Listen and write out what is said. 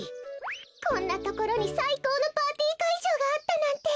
こんなところにさいこうのパーティーかいじょうがあったなんて！